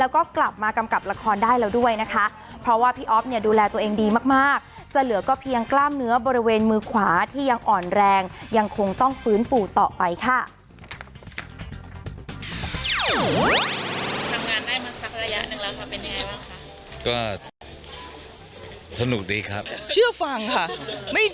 คุณผู้ชมล่าสุดเขาออกงานอีเวนต์คู่กับคุณพันรยาพี่แดงทันยานะคะว่าตอนนี้นี่อาการป่วยดีขึ้น๘๐แล้ว